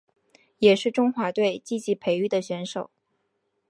也是中华队积极培育的选手。